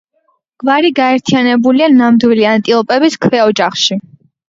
გვარი გაერთიანებულია ნამდვილი ანტილოპების ქვეოჯახში.